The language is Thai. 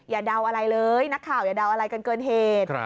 เดาอะไรเลยนักข่าวอย่าเดาอะไรกันเกินเหตุ